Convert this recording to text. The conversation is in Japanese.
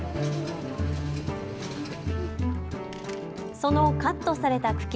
そのカットされた茎。